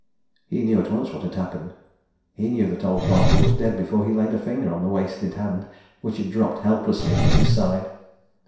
He knew at once what had happened knew that old Bartle was dead before he laid a finger on the wasted hand which had dropped helplessly at his side.